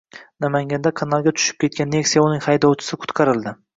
Namanganda kanalga tushib ketgan Nexia va uning haydovchisi qutqarildi